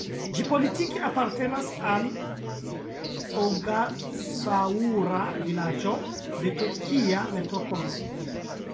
Ĝi politike apartenas al Ogasaŭara-vilaĝo de Tokia Metropolo.